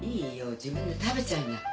自分で食べちゃいな。